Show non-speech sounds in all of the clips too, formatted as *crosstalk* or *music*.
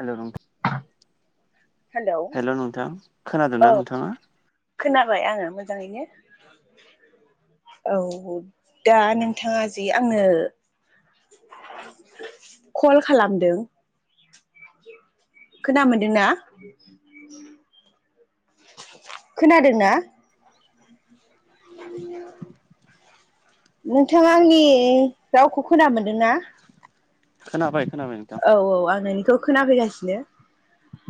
हेल' नोंथां hello hello नोंथां औ खोनादोंना नोंथाङा खोनाबाय आङो मोजाङैनो औ दा नोंथाङा जि आंनो कल खालामदो खोना मोनदोंना खोनादोंना *unintelligible* नोंथाङा आंनि रावखौ खोना मोनदोंना खोनाबाय खोनाबाय नोंथां औ आं नों बेखौ खोनाफैगासिनो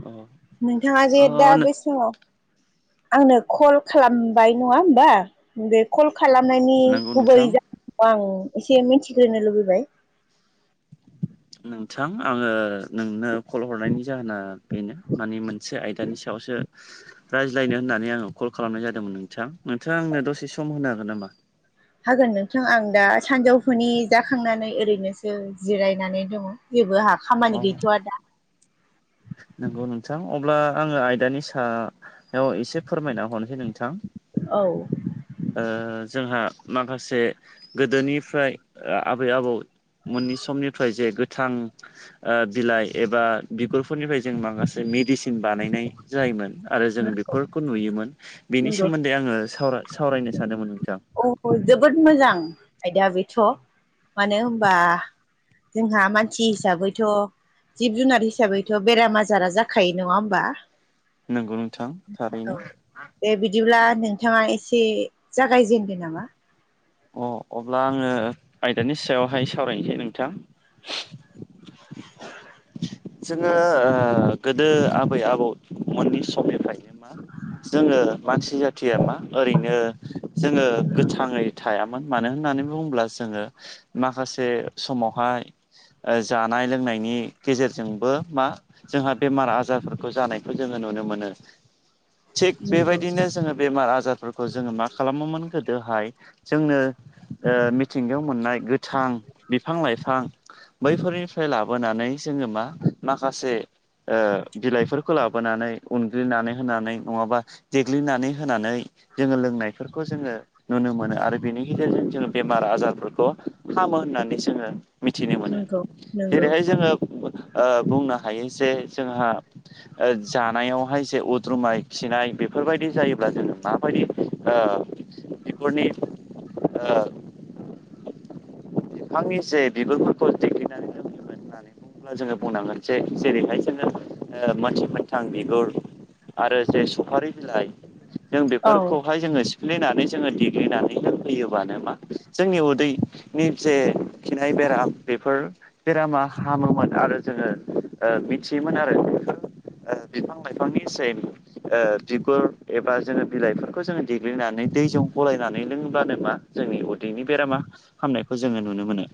अ नोंथाङा जे दा बे समाव आंनो कल खालामबाय नङा होमबा बे कल खालामनायनि नंगौ गुबै नोंथां जाहोनखौ आं एसे मिथिग्रोनो लुबैबाय नोंथां आङो नोंनो खल हरनायनि जाहोना बेनो मानि मोन नसे आयदानि सायावसो रायज्लायनो होननानै आङो कल खालामनाय जादोंमोन नोंथां नोंथाङा आंनो दसे सम होनो हागोन नामा हागोन नोंथां आं दा सानजौफुनि जाखांनानै ओरैनोसो जिरायनानै दङ जेबो हा अ खामानि गैथ'आ दा नंगौ नोंथां अब्ला आङो आयदानि सायाव एसे फोरमायना हरनोसै नोंथां औ ओ जोंहा माखासे गोदोनिफ्राय आबै आबौ मोननि समनिफ्राय जे गोथां बिलाइ एबा बिगुरफो फोरनिफ्राय जों माखासे मेडिसिन बानायनाय जायोमोन आरो जों बेफोरखौ नुयोमोन बेनि नंगौ। सोमोन्दै आङो साव सावरायनो सानदोंमोन नोंथां औ जोबोद मोजां आयदाया बेथ' मानो होनबा जोंहा मानसि हिसाबैथ' जिब जुनार हिसाबैथ' बेराम आजारा जाखायो नङा होमबा नंगौ नोंथां औ थारैनो दे बिदिब्ला नोंथाङा एसे जागायजेनदो नामा अ अब्ला आङो आयदानि सायावहाय सावरायनोसै नोंथां *unintelligible* जोङो ओ गोदो आबै आबौ मोननि समनिफ्रायनो *inaudible* जोङो मानसि जाथिया मा ओरैनो जोङो गोथाङै थायामोन मानो होननानै बुङोब्ला जोङो माखासे समावहाय जानाय लोंनायनि गेजेरजोंबो मा जोंहा बेमार आजारफोरखौ जानायखौ जोङो नुनो मोनो थिग नंगौ बेबायदिनो जोङो बेमार आजारफोरखौ जोङो मा खालामोमोन गोदोहाय जोंनो ओ मिथिंगायाव मोननाय गोथां बिफां लाइफां बैफोरनिफ्राय लाबोनानै जोङो मा माखासे ओ बिलाइफोरखौ लाबोनानै उनग्लिनानै होनानै नङाबा देग्लिनानै होनानै जोङो लोंनायफोरखौ जोङो नुनो मोनो आरो बेनि गेजेरजों जोङो बेमार आजारफोरखौ हामो होननानै जोङो मिथिनो मोनो नंगौ नंगौ जेरैहाय जोङो बुंनो हायो जे जोंहा ओ जानायावहाय जे उद्रुमाय खिनाय बेफोरबायदि जायोब्ला जोङो माबायदि आ बेफोरनि आ बिफांनि जे बिगुरफोरखौ देग्लि जोङो बुंनांगोन जे जेरैहाय जोङो मोनसे मोनथां बिगुर आरो जे सफारि बिलाइ जों औ बेफोरखौहाय जोङो सिफ्लेनानै जोङो देग्लिनानै लोंहोयोबानो मा जोंनि उदै नि जे खिनाय बेराम बेफोर बेरामा हामोमोन आरो जोङो मिथियोमोन आरो बेखौ बिफां लाइफांनि सेम बिगुर एबा जोङो बिलाइफोरखौ जोङो देग्लिनानै दैजों गलायनानै लोंङोब्लानो मा जोंनि उदैनि बेरामा हामनायखौ जोङो नुनो मोनो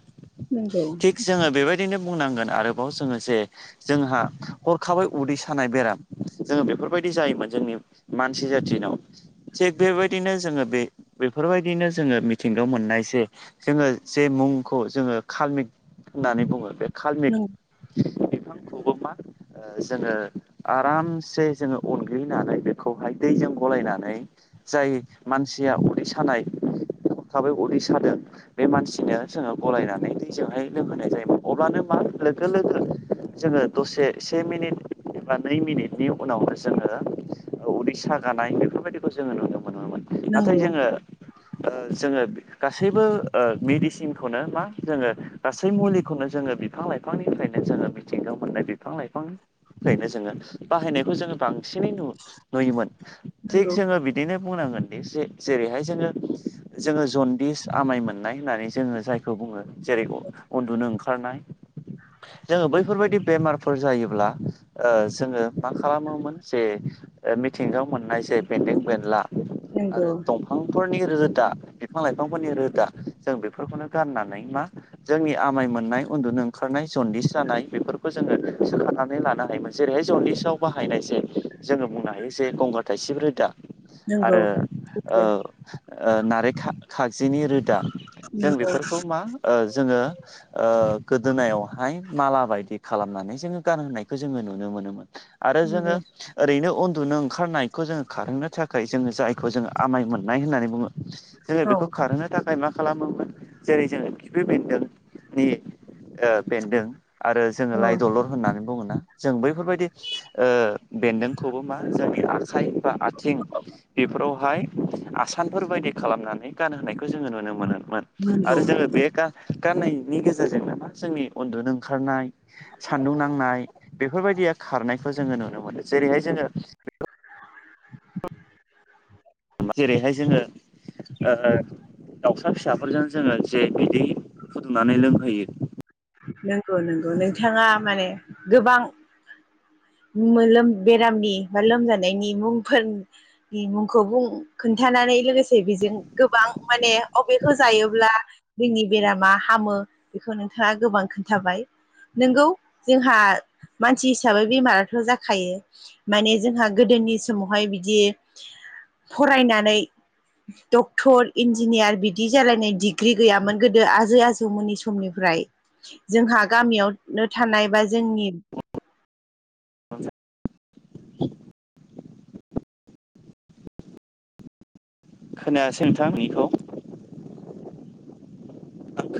नंगौ जोंङो बेबायदिनो बुंनांगोन आरोबाव जोंङो जे जोंहा हरखाबै उदै सानाय बेराम जोङो बेफोरबायदि जायोमोन जोंनि मानसि जाथिनाव थिग बेबायदिनो जोंङो बे बेफोरबायदिनो जोंङो मिथिंगायाव मोननाय जे जोङो जे मुंखौ जोंङो कालमिक होननानै बुङो बे नंगौ कालमिक बिफांखौबो मा जोंङो आरामसे जोंङो अनग्लिनानै बे खौहाय दैजों गलायनानै जाय मानसिया उदै सानाय हरखाबै उदै सादों बे मानसिनो जोंङो गलायनानै दै जजोंहाय लोंहोनाय जायोमोन अब्लानो मा लोगो लोगो जोंङो दसे से मिनिट एबा नै मिनिटनि उनावनो जोंङो उदै सागानाय बेफोरबायदिखौ जोंङो नुनो मोनोमोन नाथाय नंगौ जोंङो जोंङो गासैबो मेडिसिन नो मा जोंङो गासै मुलिखौनो जोंङो बिफांनिफ्रायनो जोंङो मिथिंगायाव मोननाय बिफां लाइफां नो जोंङो बाहायनायखौ जोंङो बांसिनै नुयोमोन नंगौ थिग जोंङो बि दिनो बुंनांगोन दि जे जेरैहाय जोंङो जोंङो जनदिस आमाय मोन मोननाय होननानै जोंङो जायखौ बुंङो जेरै उन्दुनो ओंखारनाय *inaudible* जोंङो बैफोरबायदि बेमारफोर जायोब्ला जोंङो मा खालामोमोन जे मिथिंगा मोननाय जे बेन्दों बेनला नंगौ आरो दं बिफांफोरनि रोदा बिफां लाइफांफोरनि रोदा जों बेफोरखौनो गाननानै मा जोंनि आमाय मोननाय उन्दुनो ओंखारनाय जन्दिस जानाय बेफोरखौ जोङो सोखनानै लानो हायोमोन जेरैहाय जनदिसआव बाहायनाय जे जोंङो बुंनो हायो जे गंगार थाइसिफ रोदा नंगौ आरो ओ नारें खागजिनि रोदा नंगौ जों बेफोरखौ मा जोंङो ओ गोदोनायावहाय माला बायदि खालामनानै जोङो गानहोनायखौ जोंङो नुनो मोनोमोन आरो जोंङो नंगौ ओरैनो उन्दुनो ओंखारनायखौ जोंङो खारहोनो थाखाय जोंङो जायखौ जोंङो आमाय मोननाय होननानै बुंङो जोंङो औ बेखौ खारहोनो थाखाय मा खालामोमोन जेरै जोंङो खिफि बेन्दोंनि बेन्दों आरो जोंङो औ लाइ दलर होननानै बुंङोना जों बैफोरबायदि बेन्दोंखौबो मा जोंनि आखाइ बा आथिं बेफोरावहाय आसानफोर बायदि खालामनानै गानहोनायखौ जोंङो नुनो मोनोमोन नंगौ आरो जोंङो बे गाननायनि गेज जेरजोंनो मा जोंनि उन्दुनो ओंखारनाय सान्दुं नांनाय बेफोरबायदिया खारनायखौ जोंङो नुनो मोनो जेरैहाय जोंङो *inaudible* जेरैहाय जोंङो दाउसा फिसाफोरजों जोंङो जे बिदै फुदुंनानै लोंहोयो नंगौ नंगौ नोंथांङा माने गोबां मोलोम बेरामनि बा लोमजानायनि मुंफोर नि मुंखौ बुं खोन्थानानै लोगोसे बेजों गोबां माने बबेखौ जायोब्ला जोंनि बेरामा हामो बेखौ नों नोंथांहा गोबां खोन्थाबाय नोंगौ जोंहा मानसि हिसाबै बेमाराथ' जाखायो माने जोंहा गोदोनि समावहाय बिदि फरायनानै डक्टर इन्जिनियार बिदि जालायनाय डिग्रि गैयामोन गोदो आजै आजौमोननि समनिफ्राय जोंहा गामियावनो थानाय बा जोंनि *inaudible* खोनायासै नोंथां नोंनिखौ